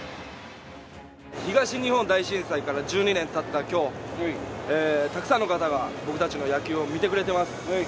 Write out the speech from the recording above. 東日本大震災から１２年たった今日、たくさんの方が、僕たちの野球を見てくれています。